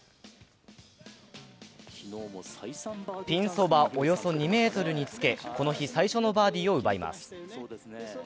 ピンそば、およそ２ｍにつけ、この日最初のバーディーを奪います。